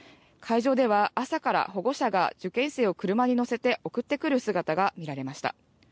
会場では朝から保護者が受験生を車に乗せて送ってくる姿が見られました。